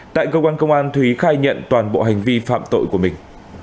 tại cơ quan công an thúy khai nhận toàn bộ hành vi phạm tội của mình